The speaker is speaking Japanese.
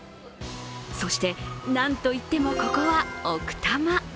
そしてなんといっても、ここは奥多摩。